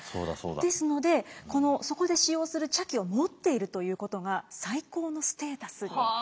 ですのでこのそこで使用する茶器を持っているということが最高のステータスになったんですね。